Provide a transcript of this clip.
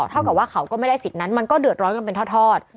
เท่ากับว่าเขาก็ไม่ได้สิทธิ์นั้นมันก็เดือดร้อนกันเป็นทอด